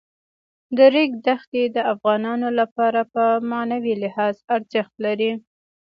د ریګ دښتې د افغانانو لپاره په معنوي لحاظ ارزښت لري.